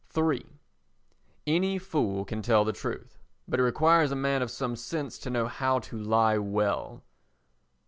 iii Any fool can tell the truth, but it requires a man of some sense to know how to lie well.